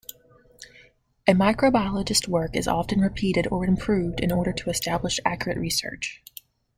A microbiologist's work is often repeated or improved in order to establish accurate research.